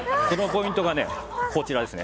そのポイントがこちら。